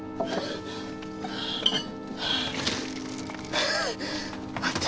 はああった。